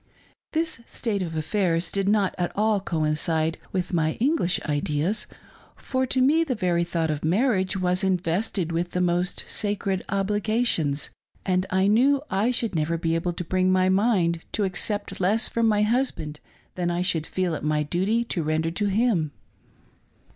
This state of affairs did not at all coincide with my English ideas, for to me the very thought of marriage was invested with the most sacred obli gations, and I knew I should never be able to bring my mind to accept less from my husband than I should feel it my duty to render to him.